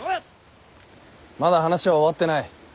まだ話は終わってない。